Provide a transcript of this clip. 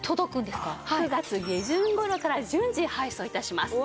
９月下旬頃から順次配送致します。